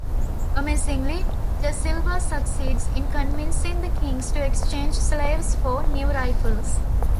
Amazingly, da Silva succeeds in convincing the King to exchange slaves for new rifles.